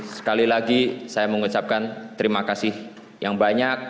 sekali lagi saya mengucapkan terima kasih yang banyak